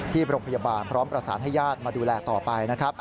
ที่โรงพยาบาลพร้อมประสานให้ญาติมาดูแลต่อไปนะครับ